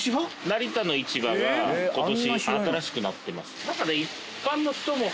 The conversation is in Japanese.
成田の市場が今年新しくなってます。